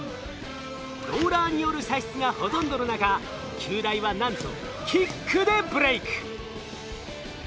ローラーによる射出がほとんどの中九大はなんとキックでブレイク！